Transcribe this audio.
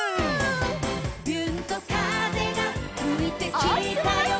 「びゅーんと風がふいてきたよ」